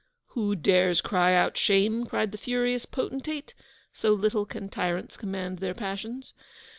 'Who dares cry out shame?' cried the furious potentate (so little can tyrants command their passions).